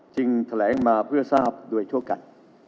แถลงมาเพื่อทราบโดยชั่วกัน